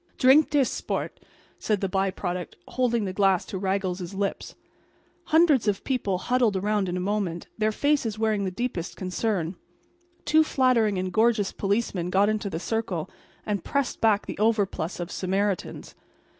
"Drink dis, sport," said the by product, holding the glass to Raggles's lips. Hundreds of people huddled around in a moment, their faces wearing the deepest concern. Two flattering and gorgeous policemen got into the circle and pressed back the overplus of Samaritans.